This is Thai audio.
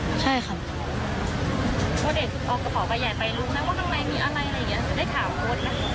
คนเอกออกต่อไปใหญ่ไปรู้ไหมว่าตรงในมีอะไรอะไรอย่างเงี้ยได้ถามคนไหม